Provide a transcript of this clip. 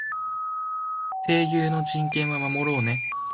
声優の人権は守ろうね。